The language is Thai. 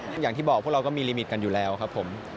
อย่างที่บอกพวกเราก็มีลิมิตกันอยู่แล้วครับผม